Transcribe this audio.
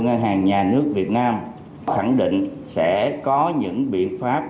ngân hàng nhà nước việt nam khẳng định sẽ có những biện pháp